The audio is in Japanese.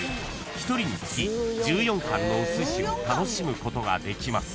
［１人につき１４貫のおすしを楽しむことができます］